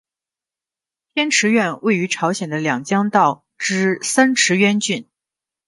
天池院位于朝鲜的两江道之三池渊郡。